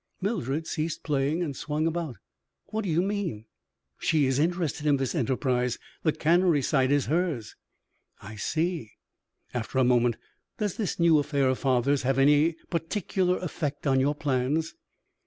Mildred ceased playing and swung about. "What do you mean?" "She is interested in this enterprise; the cannery site is hers." "I see!" After a moment, "Does this new affair of father's have any particular effect on your plans?"